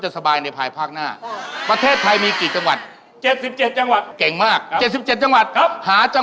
ถ้าเรียนดีจบสูงชีวิตก็จะทักใจในภายภาคหน้า